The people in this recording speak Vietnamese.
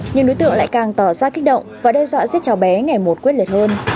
nhưng đối tượng lại càng tỏ ra kích động và đe dọa giết cháu bé ngày một quyết liệt hơn